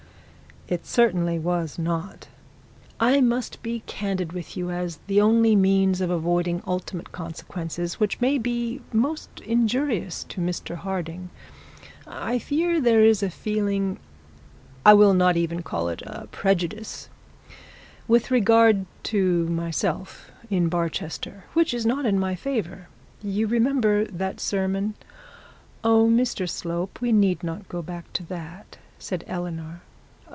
It certainly was not. 'I must be candid with you as the only means of avoiding ultimate consequences, which may be most injurious to Mr Harding. I fear there is a feeling, I will not even call it a prejudice, with regard to myself in Barchester, which is not in my favour. You remember the sermon ' 'Oh! Mr Slope, we need not go back to that,' said Eleanor.